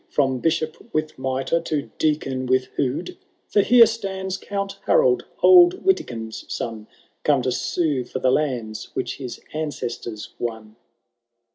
From Bishop with mitre to Deacon with hood ! For here stands Count Harold, old Witikind's son. Come to sue for the lands which his ancestors won.